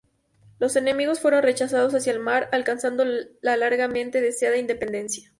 Los enemigos fueron rechazados hacia el mar, alcanzando la largamente deseada independencia.